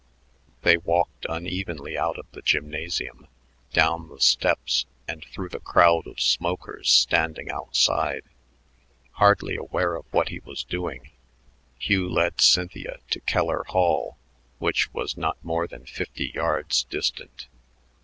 They walked unevenly out of the gymnasium, down the steps, and through the crowd of smokers standing outside. Hardly aware of what he was doing, Hugh led Cynthia to Keller Hall, which was not more than fifty yards distant.